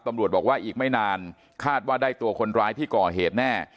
ตำรวจบอกว่าอีกไม่นานคาดว่าได้ตัวคนร้ายที่ก่อเหตุแน่